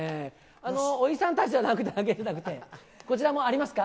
おじさんたちあげるだけじゃなくて、こちらもありますか？